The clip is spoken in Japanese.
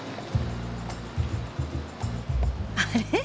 あれ？